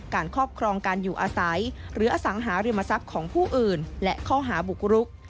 ครอบครองการอยู่อาศัยหรืออสังหาริมทรัพย์ของผู้อื่นและข้อหาบุกรุก